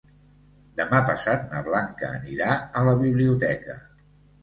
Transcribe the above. Demà passat na Blanca anirà a la biblioteca.